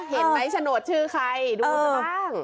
เห็นไหมโฉนดชื่อใครดูซะบ้าง